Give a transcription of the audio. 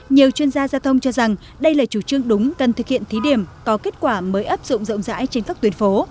nhiều chuyên gia giao thông cho rằng đây là chủ trương đúng cần thực hiện thí điểm có kết quả mới áp dụng rộng rãi trên các tuyến phố